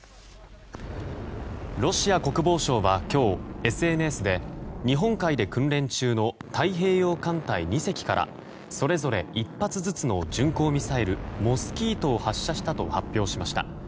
ロシア国防省は今日ＳＮＳで日本海で訓練中の太平洋艦隊２隻からそれぞれ１発ずつの巡航ミサイル、モスキートを発射したと発表しました。